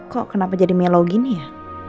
kok kenapa jadi melo gini ya